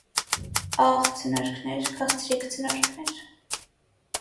Ա՜խ, ցնորքներ, քաղցրի՜կ ցնորքներ…